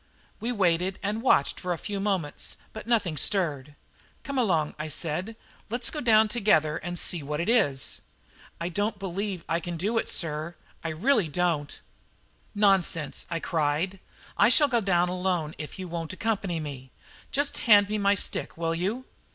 We waited and watched for a few moments, but nothing stirred. "Come along," I said, "let us go down together and see what it is." "I don't believe I can do it, sir; I really don't!" "Nonsense," I cried. "I shall go down alone if you won't accompany me. Just hand me my stick, will you?"